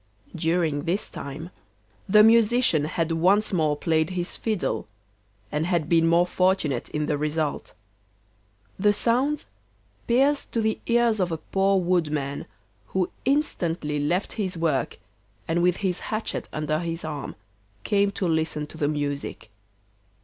During this time the Musician had once more played his fiddle, and had been more fortunate in the result. The sounds pierced to the ears of a poor woodman, who instantly left his work, and with his hatchet under his arm came to listen to the music.